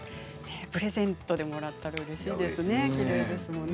プレゼントでもらったらうれしいですよね。